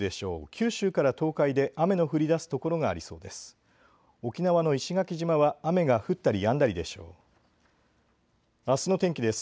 九州から東海で雨の降りだす所がありそうです。